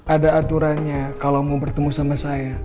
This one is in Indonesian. ada aturannya kalau mau bertemu sama saya